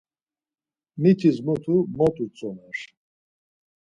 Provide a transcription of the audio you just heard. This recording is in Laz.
Mitis mutu mot utzomer.